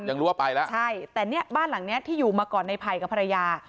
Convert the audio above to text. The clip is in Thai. ยังรู้ว่าไปแล้วใช่แต่เนี่ยบ้านหลังเนี้ยที่อยู่มาก่อนในไผ่กับภรรยา